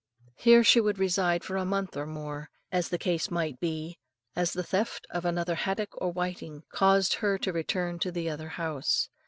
Here she would reside for a month or more, as the case might be, until the theft of another haddock or whiting caused her to return to the other house.